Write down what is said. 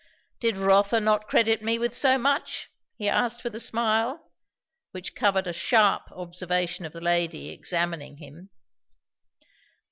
"Did Rotha not credit me with so much?" he asked with a smile, which covered a sharp observation of the lady, examining him.